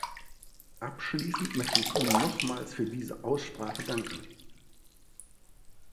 Abschließend möchte ich Ihnen nochmals für diese Aussprache danken.